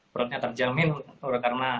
beratnya terjamin karena